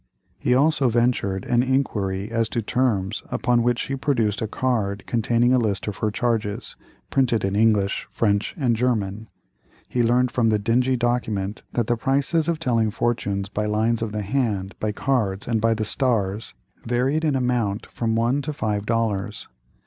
He also ventured an inquiry as to terms, upon which she produced a card containing a list of her charges, printed in English, French, and German. He learned from this dingy document that the prices of telling fortunes by lines of the hand, by cards, and by the stars, varied in amount from one to five dollars.